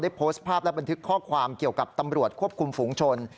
โพสต์ภาพและบันทึกข้อความเกี่ยวกับตำรวจควบคุมฝูงชน